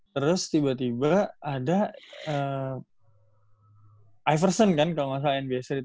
terus tiba tiba ada iverson kan kalau nggak salah nb street